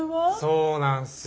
そうなんすよ。